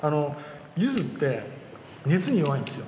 柚子って熱に弱いんですよ。